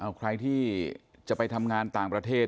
เอาใครที่จะไปทำงานต่างประเทศ